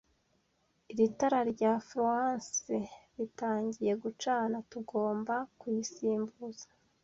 Iri tara rya fluorescent ritangiye gucana. Tugomba kuyisimbuza.